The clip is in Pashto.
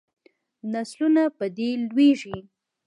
نسلونه په دې لویږي.